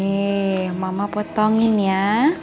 hei mama potongin ya